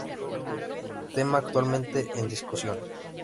Tema actualmente en discusión.